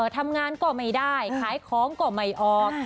ทำงานก็ไม่ได้ขายของก็ไม่ออก